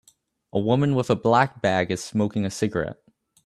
A woman with a black bag is smoking a cigarette